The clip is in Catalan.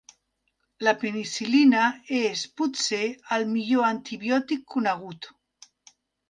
La penicil·lina és, potser, el millor antibiòtic conegut.